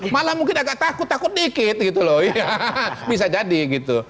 malah mungkin agak takut takut dikit gitu loh ya bisa jadi gitu